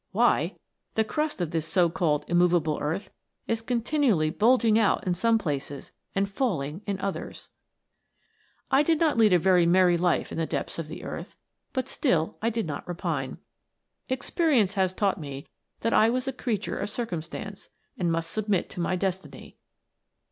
Why ! the crust of this so called im movable earth is continually bulging out in some places and falling in others !" I did not lead a very merry life in the depths of the earth, but still I did not repine. Experience had taught me that I was a creature of circum stance, and must submit to my destiny.